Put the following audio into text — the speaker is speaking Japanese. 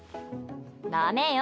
ダメよ。